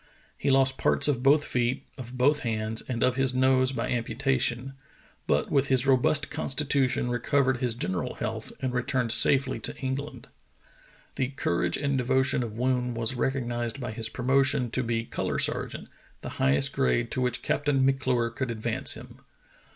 He lost parts of both feet, of both hands, and of his nose by amputation, but with his robust constitution recovered his general health and returned safely to England. The courage and devotion of Woon was recognized by his promotion to be color sergeant, the highest grade to which Captain M'Clure could advance him.